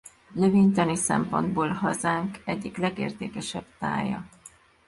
Növénytani szempontból hazánk egyik legértékesebb tája.